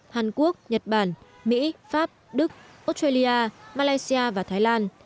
hàn quốc nhật bản mỹ pháp đức australia malaysia và thái lan